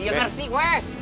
iya ngerti weh